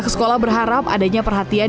sekolah berharap adanya perhatian